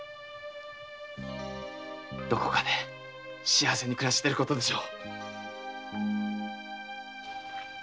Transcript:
どこかで幸せに暮らしていることでしょう。